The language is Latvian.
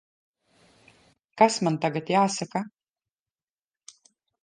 Kas man tagad jāsaka?